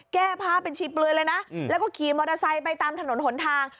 แก้พร้าพเป็นชิอกแล้วก็ขี่มอเตอร์ไซต์ไปตามถนนหล่นทาง